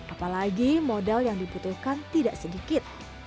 apalagi modal yang dibutuhkan tidak sedikit